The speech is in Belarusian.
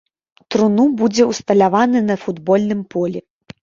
Труну будзе ўсталяваны на футбольным полі.